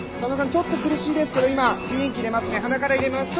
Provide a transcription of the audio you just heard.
ちょっと苦しいですけど今吸引器入れますね